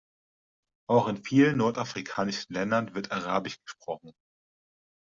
Auch in vielen nordafrikanischen Ländern wird arabisch gesprochen.